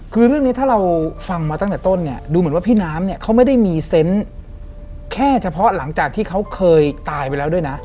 คือเรื่องนี้ถ้าเราฟังมาตั้งแต่ต้นเนี่ยดูเหมือนว่าพี่น้ำเนี่ยเขาไม่ได้มีเซนต์แค่เฉพาะหลังจากที่เขาเคยตายไปแล้วด้วยนะ